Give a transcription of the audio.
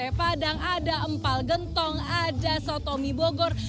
banyak banget ada batagor ada sate padang ada empal gentong ada sotomi bogor